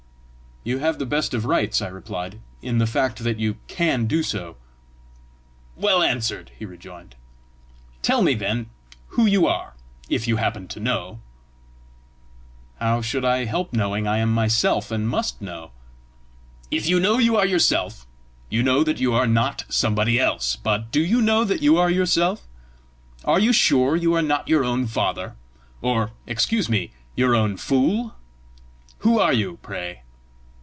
"You have the best of rights," I replied, "in the fact that you CAN do so!" "Well answered!" he rejoined. "Tell me, then, who you are if you happen to know." "How should I help knowing? I am myself, and must know!" "If you know you are yourself, you know that you are not somebody else; but do you know that you are yourself? Are you sure you are not your own father? or, excuse me, your own fool? Who are you, pray?"